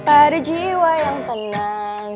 ada jiwa yang tenang